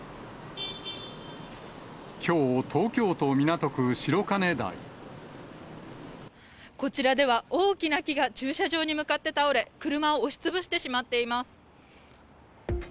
きょう、こちらでは、大きな木が駐車場に向かって倒れ、車を押しつぶしてしまっています。